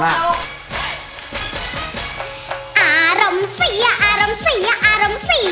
โมโฮโมโฮโมโฮ